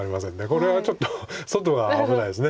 これはちょっと外が危ないです。